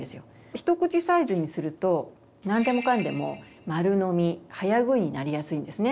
ひとくちサイズにすると何でもかんでも丸飲み早食いになりやすいんですね。